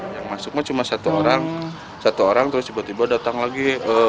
yang masuk mah cuma satu orang satu orang terus tiba tiba datang lagi